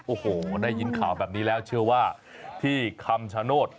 โอ้โหได้ยินข่าวแบบนี้แล้วเชื่อว่าที่คำชโนธ